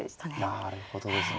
なるほどですね。